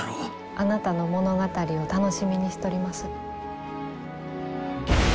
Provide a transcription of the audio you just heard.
あなたの物語を楽しみにしとります。